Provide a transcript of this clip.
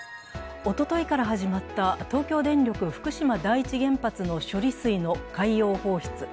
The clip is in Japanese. おとといから始まった東京電力福島第一原発の処理水の海洋放出。